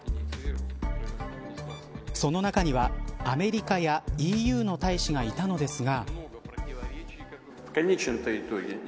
その中にはアメリカやＥＵの大使がいたのですが。